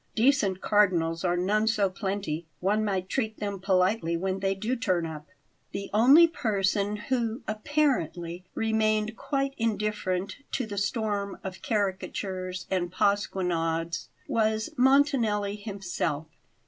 "Decent cardinals are none so plenty. One might treat them politely when they do turn up." The only person who, apparently, remained quite indifferent to the storm of caricatures and pasquinades was Montanelli himself.